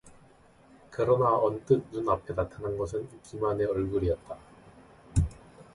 그러나 언뜻 눈앞에 나타난 것은 기만의 얼굴이었다.